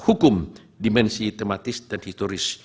hukum dimensi tematis dan hitoris